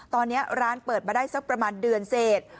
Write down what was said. ตอนนี้ร้านเปิดมาได้สักประมาณเดือนเศษ